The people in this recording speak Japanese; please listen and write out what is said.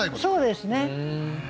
そうですね。